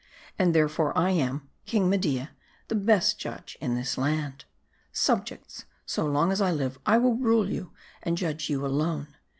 And therefore am I, King Media, the best judge in this land. MARDI. 219 " Subjects ! so long as I live, I will rule you and judge you alone.